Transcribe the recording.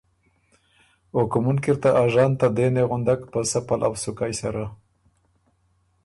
او کُومُن کی ر ته اژن ته دېنی غُندک په سۀ پلؤ سُکئ سره۔